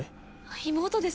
妹です。